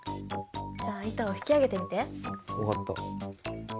じゃあ板を引き上げてみて。